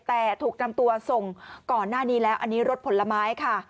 แต่ถูกนำตัวส่งก่อนหน้านี้แล้วอันนี้รถผลไม้ค่ะ